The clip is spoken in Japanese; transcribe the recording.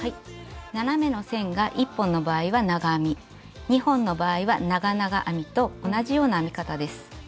斜めの線が１本の場合は長編み２本の場合は長々編みと同じような編み方です。